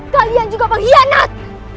kalian juga pengkhianat